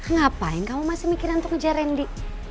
ngapain kamu masih mikiran untuk ngejar randy